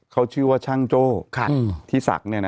เขาชื่อว่าช่างโจ้ที่ศักดิ์เนี่ยนะครับ